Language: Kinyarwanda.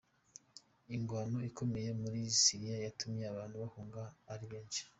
Ingwano ikomeye muri Syria yatumye abantu bahunga ari benshi .